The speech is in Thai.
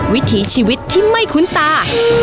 วิถีชีวิตที่ไม่คุ้นตา